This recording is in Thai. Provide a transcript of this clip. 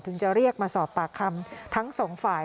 จะเรียกมาสอบปากคำทั้งสองฝ่าย